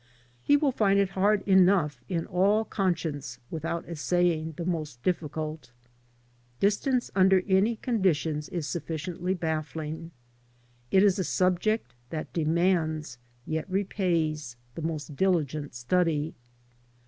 He will find it hard enough in all conscience without essaying the most difficult Distance under any conditions is sufficiently baffling. It is a subject that demands, yet repays, the most diligent study.